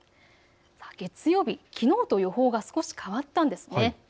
月曜日、きのうと予報が少し変わったんです。